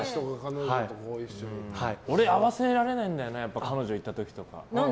俺、会わせられないんだよな彼女いた時とか。